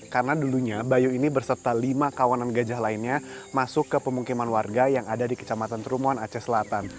karena dulunya bayu ini berserta lima kawanan gajah lainnya masuk ke pemungkiman warga yang ada di kecamatan terumuan aceh selatan